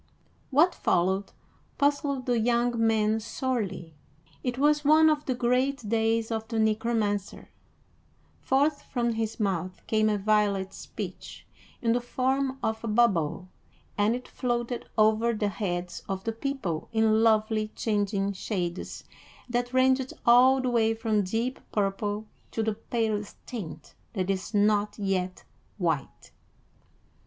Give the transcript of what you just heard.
What followed puzzled the young man sorely. It was one of the great days of the Necromancer: forth from his mouth came a violet speech in the form of a bubble, and it floated over the heads of the people in lovely changing shades that ranged all the way from deep purple to the palest tint that is not yet white.